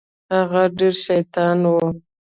هغه ډېر شيطان و.